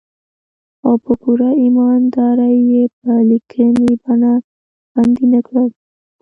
او په پوره ايمان دارۍ يې په ليکني بنه خوندي نه کړي.